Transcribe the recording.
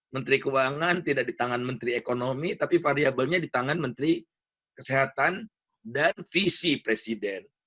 menteri keuangan tidak di tangan menteri ekonomi tapi variabelnya di tangan menteri kesehatan dan visi presiden